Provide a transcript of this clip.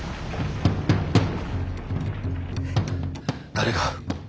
誰が。